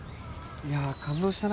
いや感動したな。